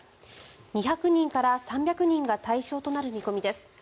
２００人から３００人が対象となる見込みです。